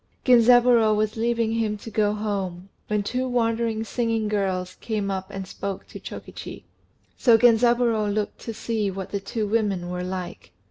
Genzaburô was leaving him to go home, when two wandering singing girls came up and spoke to Chokichi; so Genzaburô looked to see what the two women were like.